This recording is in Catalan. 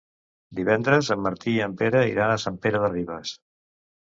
Divendres en Martí i en Pere iran a Sant Pere de Ribes.